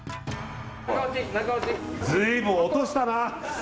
随分落としたな。